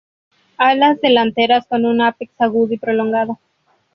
Alas delanteras con un apex agudo y prolongado.